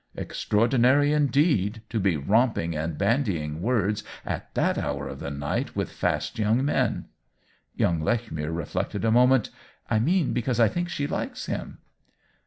" Extraordinary indeed — to be romping and bandying words at that hour of the night with fast young men !" Young Lechmere reflected a moment "I mean because I think she likes him."